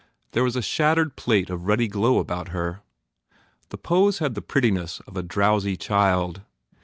There was a shattered plate of ruddy glow about her. The pose had the prettiness of a drowsy child.